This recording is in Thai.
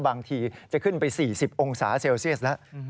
บางทีจะขึ้นไป๔๐องศาเซลเซียสแล้ว